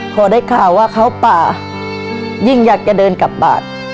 พอได้ข่าวว่าเขาป่ายิ่งอยากจะเดินกลับบ้าน